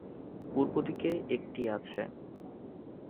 পূর্ব দিকে একটি আছে।